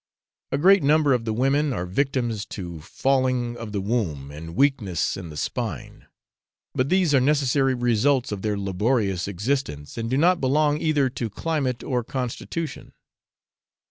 A great number of the women are victims to falling of the womb and weakness in the spine; but these are necessary results of their laborious existence, and do not belong either to climate or constitution.